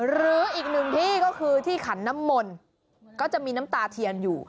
หรืออีกหนึ่งที่ก็คือที่ขันน้ำมนต์ก็จะมีน้ำตาเทียนอยู่